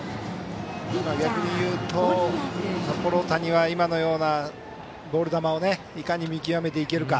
逆に言うと、札幌大谷は今のようなボール球をいかに見極めていけるか。